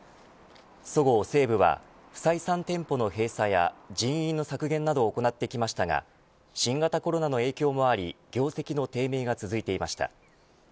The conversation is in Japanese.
そごう・西武は不採算店舗の閉鎖や人員の削減などを行ってきましたが新型コロナの影響もあり業績の低迷が続いていました。